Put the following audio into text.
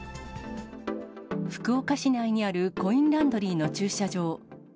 福岡市内にあるコインランドリーの駐車場。